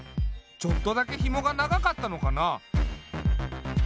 ちょっとだけひもが長かったのかな。